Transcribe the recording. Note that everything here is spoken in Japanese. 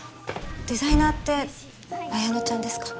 デザイナーって彩乃ちゃんですか？